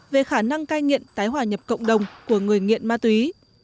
về khả năng cai nghiện tái hòa nhập cộng đồng của người nghiện ma túy